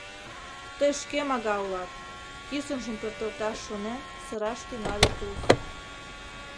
— Тый шке мага улат! — кӱсынжым пӧртылташ шонен, сыраш тӱҥале Туз.